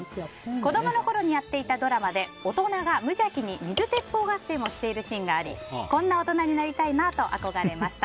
子供のころにやっていたドラマで大人が無邪気に水鉄砲合戦をやっているシーンがありこんな大人になりたいなと憧れました。